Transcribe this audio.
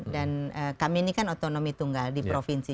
dan kami ini kan otonomi tunggal di provinsi